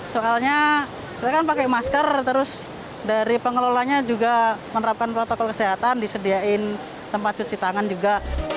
soalnya kita kan pakai masker terus dari pengelolanya juga menerapkan protokol kesehatan disediakan tempat cuci tangan juga